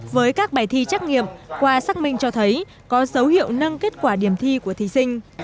với các bài thi trắc nghiệm qua xác minh cho thấy có dấu hiệu nâng kết quả điểm thi của thí sinh